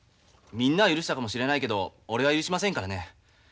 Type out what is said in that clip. みんなは許したかもしれないけど俺は許しませんからね。